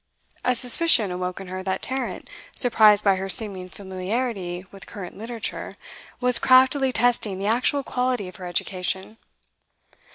A suspicion awoke in her that Tarrant, surprised by her seeming familiarity with current literature, was craftily testing the actual quality of her education.